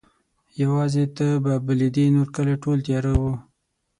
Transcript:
یواځي ته به بلېدې نورکلی ټول تیاره وو